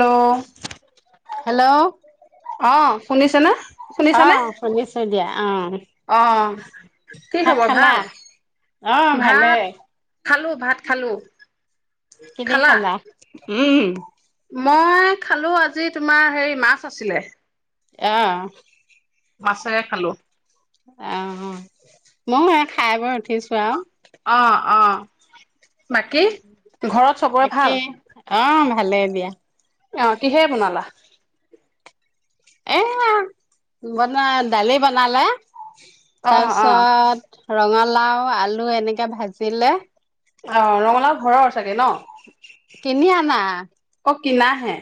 Hello hello অ', শুনিছেনে? অ শুনিছানে? শুনিছো দিয়া অ অ', কি ভাত খবৰ খালা ভাল, অ ভালে ভাত, খালো, ভাত খালো। কিদি খালা? উম', - [inaudible] মই খালো আজি তোমাৰ হেৰি মাছ আছিলে। আহ', মাছেৰে খালো। অ', ময়ো এ, খাই বৈ উঠিছো আৰু। অহ - অহ একে অ', ভালে দিয়া। অ, কিহেৰে বনালা? এয়া বনা, দালি বনালে। অ অ তাৰপিছত, ৰঙালাও -আলু এনেকে, ভাজিলে অ', ৰঙালাও ঘৰৰ। চাগে ন? কিনি আনা। অহ ', কিনা হে।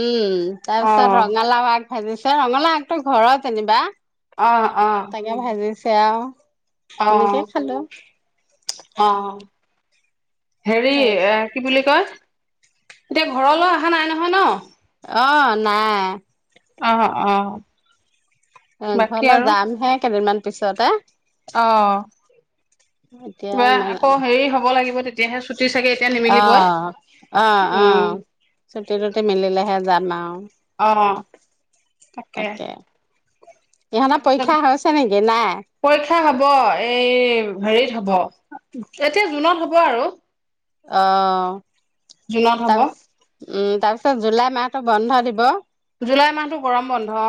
উম, তাৰপিছত ৰঙালাওৰ আগ, ভাজিছে, ৰঙালাও আগটো ঘৰত যেনিবা। অহ-অহ', সেয়াও এনেকে খালো। অহ, ' হেৰি তাৰপিছত এ, কি বুলি কয় এতিয়া ঘৰলৈ আহা নাই নহয় ন',? অহ, নাই। অহ - অহ, অ', ঘৰলৈ যাম হে কেইদিনমান, তাৰপিছতে, অহ ', এতিয়া কিবা আকৌ হেৰি হ'ব লাগিব তেতিয়া, তেতিয়াহে চু, অহ, '- অহ', উম -অহ', চুটি- টুটি মিলিলেহে যাম। [unintelligible] অহ, তাকে। ইহঁতৰ পৰীক্ষা তাৰপিছত হৈছে নেকি নাই পৰীক্ষা হব এই হেৰিত হ'ব এতিয়া জুনত হব আৰু অ জুনত হব তাৰপিছ তাৰপিছত জুলাই মাহটো বন্ধ দিব জুলাই মাহতটো গৰম বন্ধ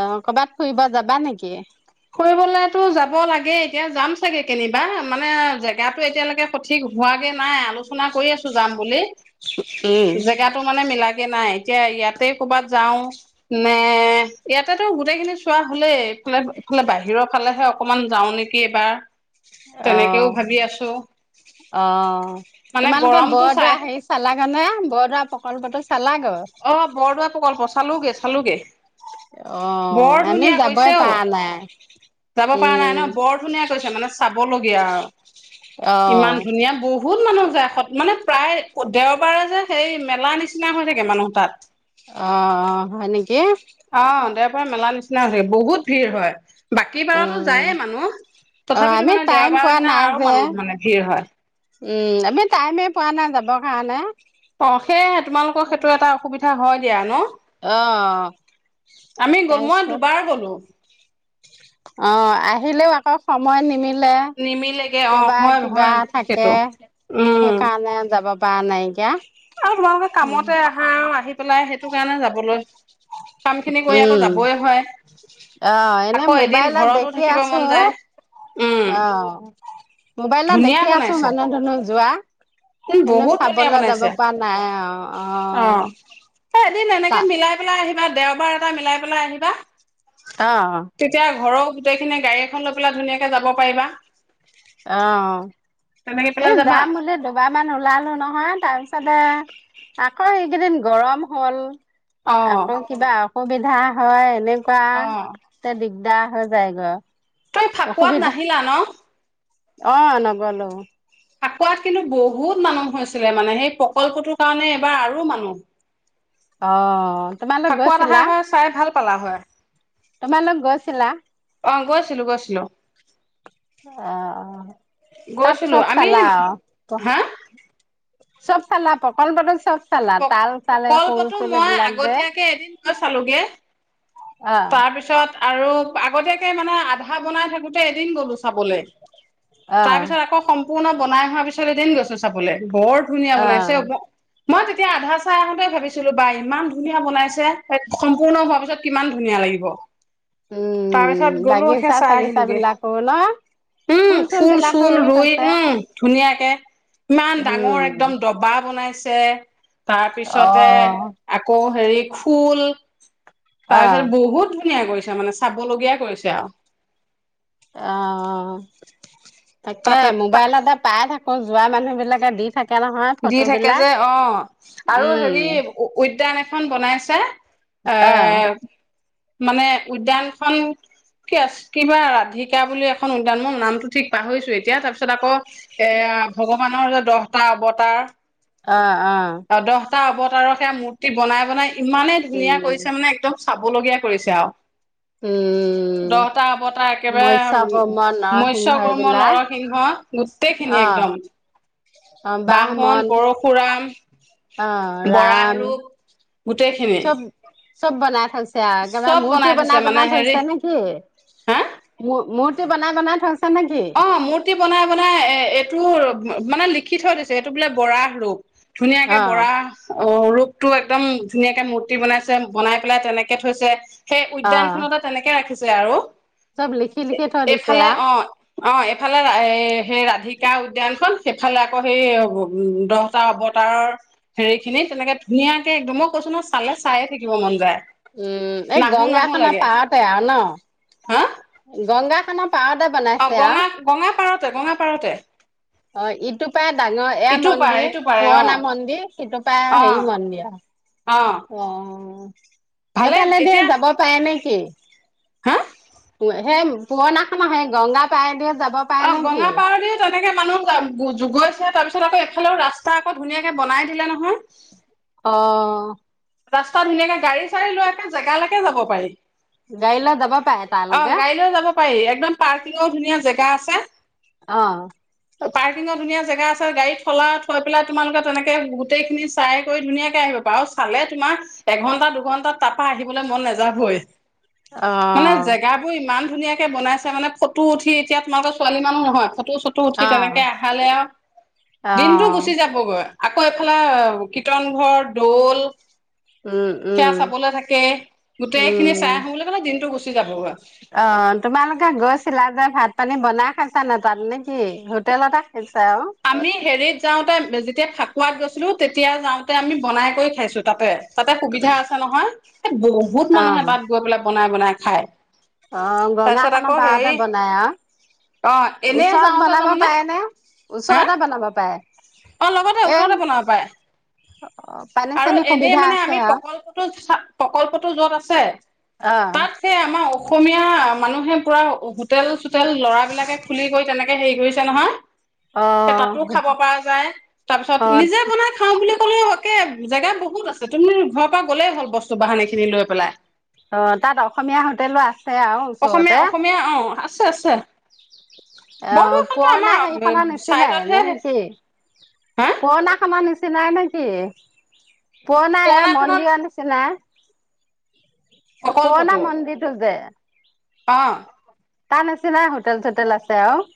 অ কৰ'ৰবাত ফুৰিব যাবা নেকি ফুৰিবলেতো যাব লাগে এতিয়া যাম চাগে কেনিবা মানে জেগাতো এতিয়ালৈকে সঠিক হোৱাগে নাই আলোচনা কৰি আছো যাম বুলি উম, জেগাটো মানে মিলাই লাগে নাই এতিয়া ইয়াতে কৰ'বাত যাও নে ইয়াতেটো গোটেই খিনি চোৱা হলেই ফালে এইফালে বাহিৰৰ ফালেহে অকমান যাওঁ নেকি এবাৰ অ অ মানে তোমালোকে গৰমটো বৰদোৱা চাই হেৰি চালাগে নে বৰদোৱা প্ৰকল্পটো চালাগৈ অ বৰদোৱা পকল্প অ চালোগে চালোগে অ', বৰ আমি ধুনীয়া যাবই কৈছে অ পৰা নাই যাব পৰা নাই ন উম, বৰ ধুনীয়া কৈছে মানে চাব লগীয়া গ [unintelligible] অ', ইমান অ', ধুনীয়া বহুত মানুহ মানে প্ৰায় দেওবাৰে যে সেই মেলা নিচিনা হৈ থাকে াকে [unintelligible] মানুহ তাত আহ অ হয় নেকি ত মেলা নিচিনা হৈ বহুত ভিৰ হয় বাকী বাৰতো উম যায়ে মানুহ। অ তথাপিতো আমি মানে টাইম দেওবাৰৰ পোৱা দিনা নাই আৰু যে মানুহ মানে ভিৰ হয়। উম আমি টাইমে পোৱা নাই যাব ভ নে [unintelligible] অ সেয়হে তোমালোকৰ সেইটো এটা অসুবিধা হয় দিয় নো অ আমি গল মই তাৰপিছত দুবাৰ গলো অ আহিলেও আকৌ সময় নিমিলে নিমিলেগে অ', হয় কৰ'বাত কিবা হয় থাকে সেইটো। উম, সেইকাৰণে যাব প নাইকিয়া আৰু তোমালোকে কামতে আহা আৰু আহি পেলাই সেইটো কাৰণে যাবলৈ কাম খিনি কৰি আকৌ উম যাবই হয় আহ এনে আকৌ এদিন মোবাইলত ঘৰতো দেখি থাকিব আছো মন যায়। উম, আহ মোবাইলত ধুনীয়া দেখি আছো বনাইছে মানুহ ধনু যোৱা এনে বহুত ধুনীয়া চাবলৈ যাব বনাইছে পৰা নাই অ অ আহ এদিন তা এনেকে মিলাই পেলাই আহিবা দেও াৰ [unintelligible] এটা মিলাই পেলাই আহিবা তেতিয়া ঘৰৰ গোটেইখিনি গাড়ী এখন লৈ পেলাই ধুনীয়াকে যাব পাৰিবা অ তেনেকে এ পেলাই যাবা? যাম বোলে দবাৰ ইমান ওলালো নহয় তাৰপিছতে আকৌ এইকেইদিন গৰম হ'ল অ। আকৌ কিবা সুবিধা হয় এনে অ', কোৱাতে দিগ গোটা হৈ যায় গ তই ফাকুৱাত নাহিলা ন অ নগলো ফাকুৱাত কিন্তু বহুত মানুহ হৈছিলে মানে সেই প্ৰকল্পটোৰ কাৰণে এবাৰ আৰু মানুহ অ তোমালোক ফাকুৱাত আহা হয় চাই ভাল পালা হয় তোমাৰ লোক গৈছিলা অ গৈছিলো গৈছিলো আ তাত গৈছিলো চব আমি চালাআ হা সব চালা পকল পটল চব চালা প্ৰ তাল চালে শোল প্ৰকল্পটো চোল মই এইবিলাক যে আগতীয়াকে এদিন গৈ চালোগৈ অ তাৰপিছত আৰু আগতীয়া মানে আধা বনাই থাকোতে এদিন গ'লো চাবলৈ অ তাৰপিছত আকৌ সম্পূৰ্ণ বনাই হোৱা পিছ এদিন গৈছো চাবলৈ বৰ ধুনীয়া অ বনাইছে মই তেতিয়া আধা চাই আহোঁতেই ভাবিছিলোঁ বাাই ইমান ধুনীয়া বনাইছে সম্পূৰ্ণ হোৱাৰ পিছত কিমান ধুনীয়া লাগিব উম তাৰপিছত গ'লো সে বাগিচা চাই চাগিচা আহিলোগে বিলাকো ন উম ফুল চুল ৰুই উম ধুনীয়াকে ইমান ডাঙৰ একদম উম দবা বনাইছে [unintelligible] অ তাৰপিছতে আকৌ হেৰি খোল অ তাৰ পিছত বহুত ধুনীয়া কৰিছে মানে চাবলগীয়াাই কৰিছে আৰু অ তাকে তাতে মোবাইলৰ এটা পাই থাক আকৌ যোৱা মানুহ বিলাকে দি থাকে নহয় দি থাকে ফটোবিলাক যে অ আৰু হেৰি উম উদ্যান এখ খন বনাইছে এ অ মানে উদ্যানখন কি আ কিবা ৰাধিকা বুলি এখন উদ্যান মোৰ নামটো ঠিক পাহৰিছো এতিয়া তাৰ পিছত আকৌ এ ভগৱানৰ যে দহটা অৱতা তাৰ অ অ এটা অৱতাৰৰ সেয়া মূৰ্তি বনাই বনাই ইমানে ধুনীয়া উম কৰিছে মানে একদম চাবলগীয়া কৰিছে আও উম দহটা অৱতা একেবাৰে মৎস্য কৰ্ম নৰসিংহ মৎসয় কৰ্ম এইবিলাক নৰসিংহ গোটেইখিনি অ একদম অ বাহন পৰশুৰাম অহ বৰাহ ৰাম ৰূপ গোটেইখিনি চব চব বনাই থৈ ছে আও একেবাৰে চব মূৰ্তি থৈছে বনাই মানে বনাই হেৰি থৈছে নেকি হা মূ মূৰ্তি বনাই বনাই থৈ অ মূৰ্তি বনাই বনাই এ এইটো মানে লিখি থৈ দিছ যে এইটো বোলে বৰাগ ৰূপ ধুনীয়াকে অ বৰা অ ৰূপ টো একদম ধুনীয়াকে মূ ৰ্টি বনাইছে বনাই পেলাই তেনেকে কে থৈছে সেই অ উদ্যানখনতে তেনেকে ৰাখি ছে আৰু চব লিখি লিখি থৈ দিছে এইফালে আ অ অ এইফালে সেই ৰাধিকা উদ্যানখন সেইফালে আকৌ সেই দহটা অৱতাৰৰ হেৰি খিনি তেনেকে ধুনীয়াকে একদ মই কৈছো নহয় চালে চায়ে থাকিব মন যায় উম এই নাহো নাহো গংগাখনৰ লাগে পাৰতে আৰু হা ন গংগা খন প অ গঙা গঙা পাৰত তে গঙাাপাৰতে অ ইটো পায়ে ডাঙৰ এয়া পাৰে মন্দিৰ ইটো পাৰে অ পুৰণা মন্দিৰ সিটো পায়ে অ হেৰি মন্দিৰ আও অ ভালে সেইফালে দিয়া এতিয়া যাব পাৰে নে সেই হা সেই পুৰণাখনামাহে গংগা পায়দিয়ে [unintelligible] অ গঙা পাৰ দিও তেনেকে মানুহ গৈছে তাৰপিছত আকৌ এফালেও ৰাস্তা আকৌ ধুনীয়াকে বনাই দিলে নহয় অ ৰাস্তা ধুনীয়াকে গাড়ী চাড়ী লৈ একে জেগালৈকে যাব পাৰি গাড়ী লৈ যাব পাই অ তালৈকে গাড়ী লৈ যাব পাৰি একদম পাৰ্কিংৰ ধুনীয়া জেগা আছে অ পাৰ্কিঙৰ ধুনীয়া জেগা আছে ত গাড়ী থলা থৈ পেলাই তোমালোকে তেনেকে গোটেই খিনি চাই কৰি ধুনীয়াকে আহিব পাচ চালে তোমাৰ এঘন্টা দুঘণ্টাাত তাৰ পৰা আহিবলৈ মন নাযাবই অ মানে জেগাবোৰ ইমান ধুনীয়িকে বনাইছে মানে ফটো উঠি এতিয়া তোমালোকৰ ছোৱালী মানু নহয় চটো চটো উঠি অ তেনেকে আহালে আৰু অ দিনটো গুচি যাবগৈ আকৌ এফালে কীৰ্তন ঘৰ দৌল উম সেয়া উম চাবলৈ থাকে গোটেইখিনি উম চাই আহো বুলি ক'লে দিনটো গুচি যাবগৈ। আহ তোমালোকে গৈ চিলা যা ভাত পানী বনাই খাইছা নে তাত নে কি হোটেলতে খাইছ আমি হেৰিত যাওঁতে তেতিয়া ফাকুৱাত গৈছিলো তেতিয়া যাওঁতে আমি বনাই কৰি খাইছো তাতে তাতে সুবিধা আছে নহয় এ বহুত আৰু মানুহে তাত গৈ পেলাই বনাই বনাই খাই। অ দলাখনৰ পাৰতে বনাই অ এনেই ওচৰত যাওঁতে বনাব তাৰমানে পাৰেনে? হা অ লগতে এ ওচৰতে বনাব পাৰে পানী আৰু চানী এনেই সুবিধা মানে আছে আমি আৰু প্ৰকল্পটো প্ৰকল্পটো যত আছে তাত সেই আমাৰ অসমীয়া মানুহে পুআ হোটেল হোটেল ল'ৰা বিলাকে খুলি কৰি তেনেকে হেৰি কৰি নহয়। অ তাতো খাব পৰা যায়, অ অ তাৰপিছত নিজে বনাই খাওঁ বুলি কও একে জেগা বহুত আছে তুমি ঘৰৰ পৰা গ'লেই হ'ল বস্তু বাহান এই খিনি লৈ পেলাই। অ তাত অসমীয়া হোটেলো আছে আৰু অসমীয়া ওচৰতে! অসমীয়া অ আছে আছে। অ বৰদোৱাখনতো পুৰণা আমাৰ হেৰি প নিচিনা! নাই চাইডতহে হা এনে পুৰণাাম [unintelligible] ইমান নিচি নাই নে কি? পোৱা নাই এ পুৰণাখনত মন্দিৰ আনিছে না। পুৰণা প্ৰকল্পটো মন্দিৰটো যে! অ। তাৰ নিছিনাই হোটেল চোটেল আছে আৰু?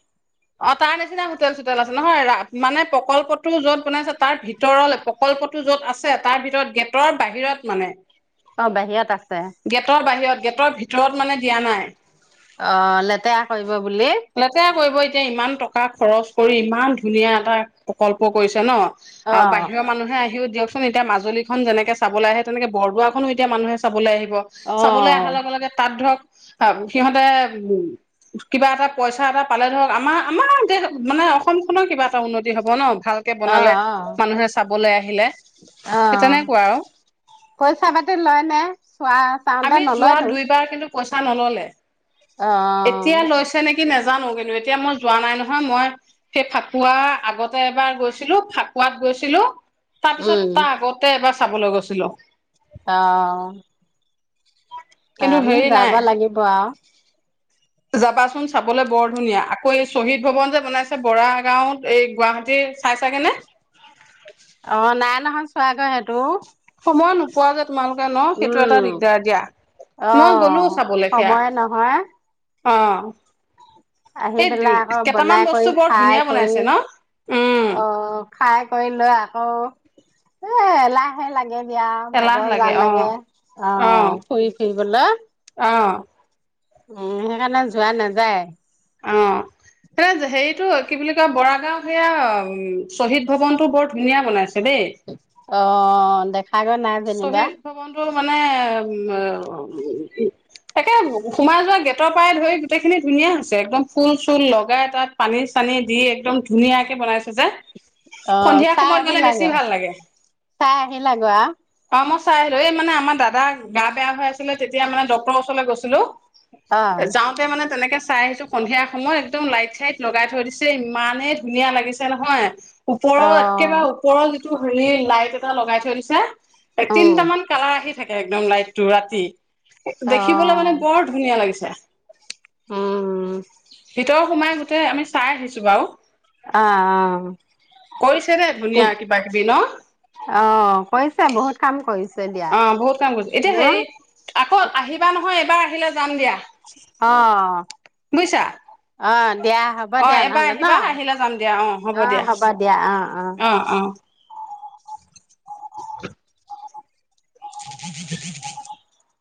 অ তাৰ নিচিনা হোটেল চোটেল আছে নহয় মানে প্ৰকল্পটো য'ত বনাই আছে তাৰ ভিতৰলৈ প্ৰকল্পটো যত আছে তাৰ ভিতৰত গেটৰ বাহিৰত মানে। অ বাহিৰত আছে গেটৰ বাহিৰত গেটৰ ভিতৰত মানে দিয়া নাই। অ লেতেৰা কৰি লেতেৰা কৰিব এতিয়া ইমান টকা খৰচ কৰি ইমান ধুনীয়া এটা প্ৰকল্প কৰিছে ন! অ আৰু বাহিৰৰ মানুহে আহিও দিয়ক এতিয়া মাজুলীখন যেনেকে চাবলৈ আহে তেনেকে বৰদোৱাখনো এতিয়া মানুহে চাবলৈ আহিব। অ চাবলৈ অহাৰ লগে লগে তাত ধৰক সিহঁতে উ কিবা এটা পইচা এটা পালে ধৰক আমাৰ আমাৰ দেশ মানে অসমখনৰ কিবা এটা উন্নতি হ'ব ন। ভালকে অহ বনালে অহ মানুহে চাবলৈ আহিলে সেই অহ তেনেকুৱা আৰু পইচা পাতি লয় নে চোৱা চাওঁতে আমি যোৱা নলয় তোৰ! দুইবাৰ কিন্তু পইচা নলয়। অ। নাজানো কিন্তু এতিয়া মই যোৱা নাই নহয় মই সেই ফাকুৱা আগতে এবাৰ গৈছিলো ফাকুৱাত গৈছিলো। তাৰ পিছত উম তাৰ আগতে এবাৰ চাবলৈ গৈছিলো অহ কিন্তু আমি হেৰি নাই যাব লাগিব আৰু যাবাচোন চাবলৈ বৰ ধুনীয়া আকৌ এই শ্বহীদ ভৱন যে বনাইছে বৰা গাঁওত এই গুৱাহাটী চাই চাগে নে অ নাই নহয় চোৱাগৈ সেইটো মই নোপোৱা যত তোমালোকে ন সেইটো এটা উম দিগদাৰ দিয়া অ মই গলো চাবলৈ সেয়া সময় নহয় অ আহি এই পেলাই আকৌ কেইটামান বনাই কৰি বস্তু বৰ ধুনীয়া খাই কৰি বনাইছে ন উম অহ খাই কৰি লৈ আকৌ এ এলাহে লাগে দিয়া এলাহ ভাগৰ জাল অ লাগে অ ফুৰি ফুৰিবলৈ অ উম সেইকাৰণে যোৱা নাযায় অ' এ হেৰিটো কি বুলি কয় বৰাগাঁও সেয়া শ্বহীদ ভৱনটো বৰ ধুনীয়া বনাইছে দেই। অ অঁ দেখ শ্বহীদ ভৱনটো মানে উম উ- তাকে সোমাই যোৱা গেটৰ পৰাই ধৰি গোটেইখিনি ধুনীয়া হৈছে। একদম ফুল-চুল লগাই তাত পানী-চানি দি একদম ধুনীয়াকে বনাইছে যে। অ সন্ধিয়া চাই সময়ত গ'লে আহিলা বেছি গৈ? ভাল লাগে। চাই আহিলা গৈ আও? অ মই চাই আহিলো। এই মানে আমাৰ দাদাৰ গা বেয়া হৈ আছিলে, তেতিয়া মানে ডক্টৰৰ ওচৰলৈ গৈছিলো। আ যাওঁতে মানে তেনেকে চাই আহিছো সন্ধিয়া সময়ত, একদম লাইট-চাইট লগাই থৈ দিছে। ইমানেই ধুনীয়া লাগিছে নহয়। ওপৰৰ অ একেবাৰে অ ওপৰৰ টো হেৰি লাইট এটা লগাই থৈ দিছে। এ উম তিনিটামান কালাৰ আহি- থাকে, একদম লাইটটো ৰাতি- অ দেখিবলৈ মানে বৰ ধুনীয়া লাগিছে। অ উম ভিতৰ সোমাই তাতে আমি চাই আহিছো বাৰু। অ-অ কৰিছে দেই ধুনীয়া ঠিক। কিবা কিবি ন অ' কৈছে বহুত। কাম কৰিছে। দিয়া অ বহুত কাম কৰিছে। এতিয়া ন হেৰি আকৌ আহিবা নহয় এবাৰ আহিলে? যাম দিয়া। অ'হ বুজিছা অ'হ দিয়া। হ'ব অ দিয়া। এবাৰ নহ'লে ন। আহিবা আহিলে যাম দিয়া অ হ'ব দিয়া। অ'-অ- অ অ [inaudible]